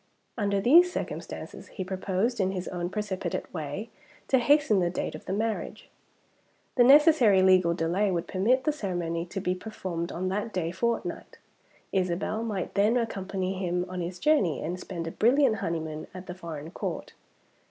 Under these circumstances, he proposed, in his own precipitate way, to hasten the date of the marriage. The necessary legal delay would permit the ceremony to be performed on that day fortnight. Isabel might then accompany him on his journey, and spend a brilliant honeymoon at the foreign Court.